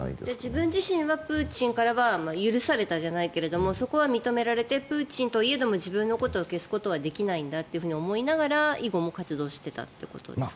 自分自身はプーチンからは許されたじゃないけどそこは認められてプーチンといえども自分のことを消すことはできないんだと思いながら、以後も活動してたということですか。